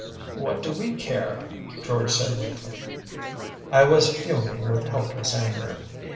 “What do we care?‚ÄĚ George said weakly. I was fuming with helpless anger.